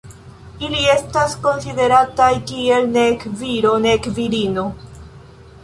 Ili estas konsiderataj kiel nek viro nek virino.